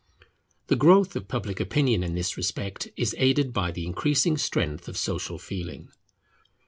The growth of public opinion in this respect is aided by the increasing strength of social feeling.